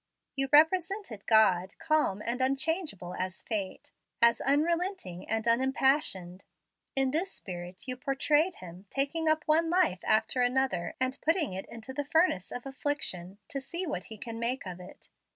You represented God calm and unchangeable as fate, as unrelenting and unimpassioned. In this spirit you portrayed Him taking up one life after another and putting it into the furnace of affliction, to see what He can make of it.